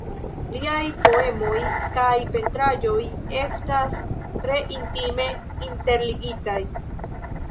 Liaj poemoj kaj pentraĵoj estas tre intime interligitaj.